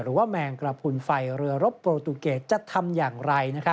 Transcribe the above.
แมงกระพุนไฟเรือรบโปรตูเกตจะทำอย่างไร